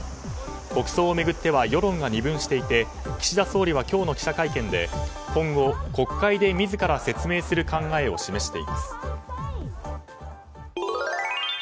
国葬を巡っては世論が二分していて岸田総理は今日の記者会見で今後、国会で自ら説明する考えを示しています。